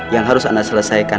yang harus anda selesaikan